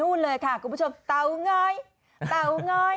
นั่นเลยค่ะคุณผู้ชมต่าง้อยต่าง้อย